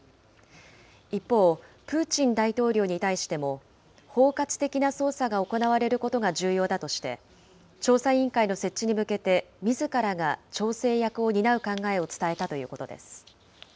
一方、プーチン大統領に対しても、包括的な捜査が行われることが重要だとして、調査委員会の設置に向けて、みずからが調整役を担う考えを伝えたということです。